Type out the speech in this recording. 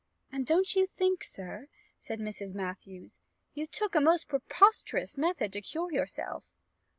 "And don't you think, sir," said Miss Matthews, "you took a most preposterous method to cure yourself?"